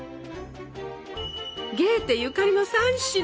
ゲーテゆかりの３品。